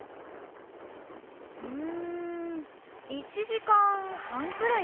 うん１時間半くらいかな。